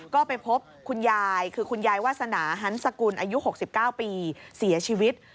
ก็ไปพบคุณยายคือคุณยายวาสนาฮันสกุลอายุ๖๙ปีเสียชีวิต